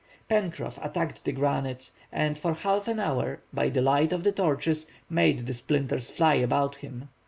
Pencroff attacked the granite, and for half an hour, by the light of the torches, made the splinters fly about him.